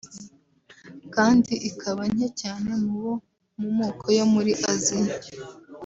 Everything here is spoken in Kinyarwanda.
kandi ikaba nke cyane mu bo mu moko yo muri Aziya